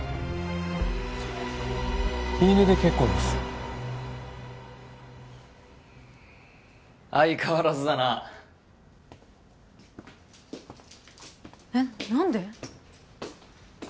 言い値で結構です相変わらずだなえっ何で？